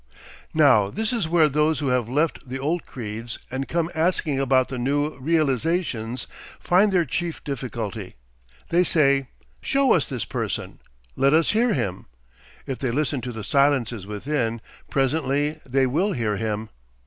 Now this is where those who have left the old creeds and come asking about the new realisations find their chief difficulty. They say, Show us this person; let us hear him. (If they listen to the silences within, presently they will hear him.)